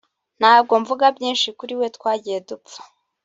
ntabwo mvuga byinshi kuri we twagiye dupfa